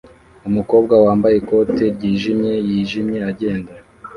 Umukobwa wambaye ikote ryijimye yijimye agenda